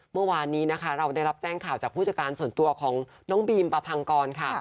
เมื่อวานนี้นะคะเราได้รับแจ้งข่าวจากผู้จัดการส่วนตัวของน้องบีมประพังกรค่ะ